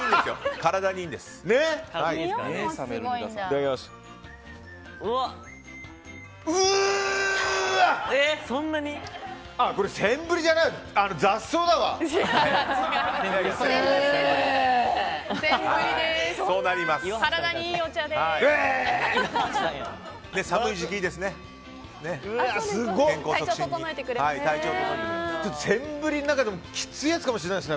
体にいいお茶です。